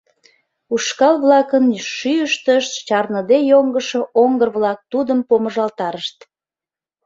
Ушкал-влакын шӱйыштышт чарныде йоҥгышо оҥгыр-влак тудым помыжалтарышт.